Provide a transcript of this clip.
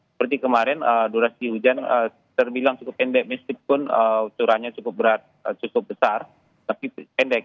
seperti kemarin durasi hujan terbilang cukup pendek meskipun curahnya cukup berat cukup besar tapi pendek